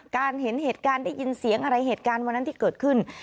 เห็นเหตุการณ์ได้ยินเสียงอะไรเหตุการณ์วันนั้นที่เกิดขึ้น